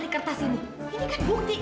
kok dirobek sih